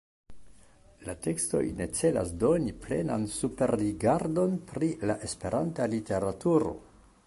La tekstoj ne celas doni plenan superrigardon pri la Esperanta literaturo.